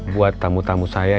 buat tamu tamu saya